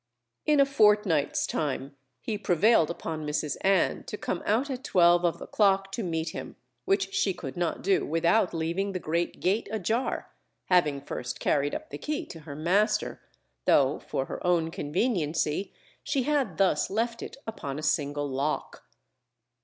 In a fortnight's time he prevailed upon Mrs. Anne to come out at twelve of the clock to meet him, which she could not do without leaving the great gate ajar, having first carried up the key to her master, though for her own conveniency she had thus left it upon a single lock.